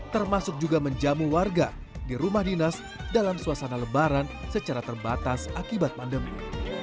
termasuk juga menjamu warga di rumah dinas dalam suasana lebaran secara terbatas akibat pandemi